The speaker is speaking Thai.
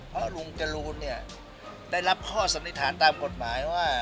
เพราะลุงจรูนเนี่ยได้รับข้อสันนิษฐานตามกฎหมายว่า